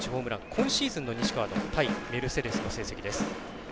今シーズンの西川の対メルセデスの成績です。